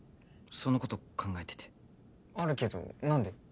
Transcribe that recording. そのこと考えててあるけど何で？